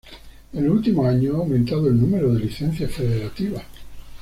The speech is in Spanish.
En los últimos años ha aumentado el número de licencias federativas.